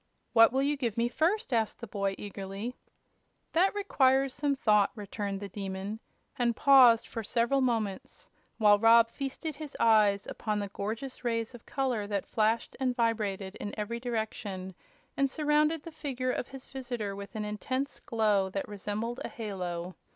"What will you give me first?" asked the boy, eagerly. "That requires some thought," returned the Demon, and paused for several moments, while Rob feasted his eyes upon the gorgeous rays of color that flashed and vibrated in every direction and surrounded the figure of his visitor with an intense glow that resembled a halo.